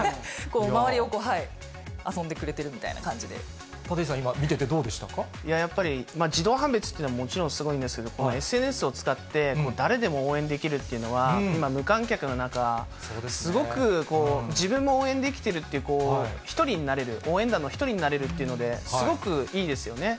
周りを遊んでくれてるみたい立石さん、やっぱり自動判別というのはもちろんすごいんですけど、ＳＮＳを使って誰でも応援できるっていうのは、今、無観客の中、すごく自分も応援できてるっていう、１人になれる、応援団の１人になれるっていうんですごくいいですよね。